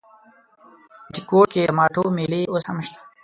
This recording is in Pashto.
بټي کوټ کې د مالټو مېلې اوس هم شته؟